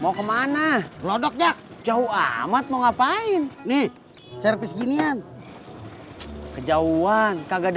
mau kemana ngelodok jak jauh amat mau ngapain nih service ginian kejauhan kagak